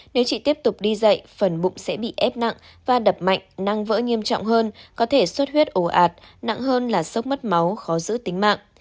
nếu chị tiếp tục đi dậy phần bụng sẽ bị ép nặng và đập mạnh năng vỡ nghiêm trọng hơn có thể suất huyết ổ ạt nặng hơn là sốc mất máu khó giữ tính mạng